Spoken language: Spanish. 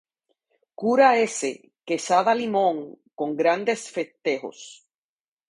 Cura S. Quezada Limón, con grandes festejos.